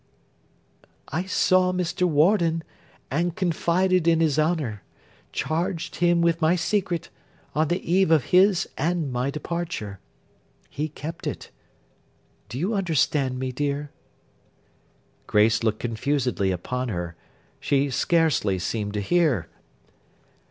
'I saw Mr. Warden, and confided in his honour; charged him with my secret, on the eve of his and my departure. He kept it. Do you understand me, dear?' Grace looked confusedly upon her. She scarcely seemed to hear.